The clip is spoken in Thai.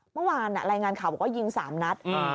เมื่อวานอ่ะรายงานข่าวบอกว่ายิงสามนัดอืม